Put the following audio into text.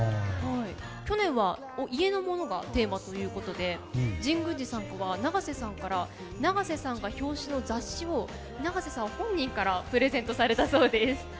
去年は家のものがテーマということで神宮寺さんは、永瀬さんから永瀬さんが表紙の雑誌を永瀬さん本人からプレゼントされたそうです。